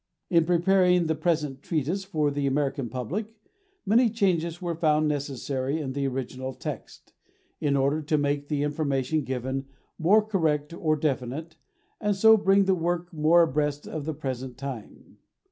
In preparing the present treatise for the American public many changes were found necessary in the original text, in order to make the information given more correct or definite, and so bring the work more abreast of the present time.